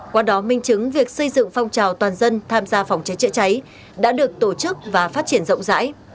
qua đó minh chứng việc xây dựng phong trào toàn dân tham gia phòng cháy chữa cháy đã được tổ chức và phát triển rộng rãi